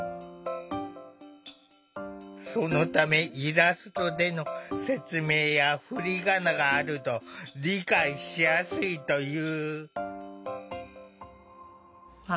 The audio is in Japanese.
そのためイラストでの説明や振り仮名があると理解しやすいという。